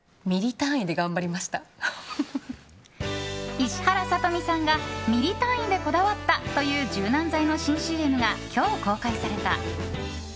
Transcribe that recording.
石原さとみさんがミリ単位でこだわったという柔軟剤の新ＣＭが今日公開された。